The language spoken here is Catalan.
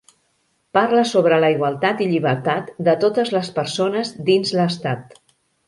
Parla sobre la igualtat i llibertat de totes les persones dins l'estat.